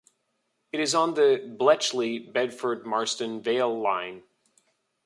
It is on the Bletchley - Bedford Marston Vale Line.